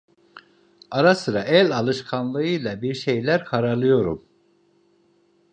Ara sıra, el alışkanlığıyla bir şeyler karalıyorum…